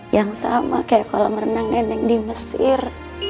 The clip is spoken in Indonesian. yang sama kayak kolam renang nenek di mesir